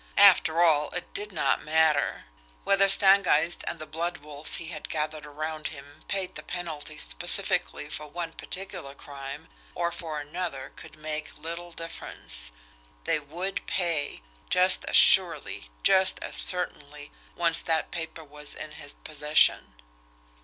After all, it did not matter whether Stangeist and the blood wolves he had gathered around him paid the penalty specifically for one particular crime or for another could make little difference they would PAY, just as surely, just as certainly, once that paper was in his possession!